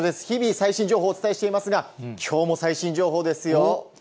日々、最新情報をお伝えしていますが、きょうも最新情報ですよ。